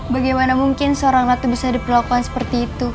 bagaimana mungkin seorang ratu bisa diperlakukan seperti itu